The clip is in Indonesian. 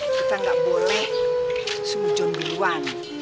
kita gak boleh semujon duluan